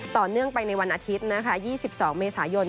ต่อเนื่องไปในวันอาทิตย์นะคะ๒๒เมษายน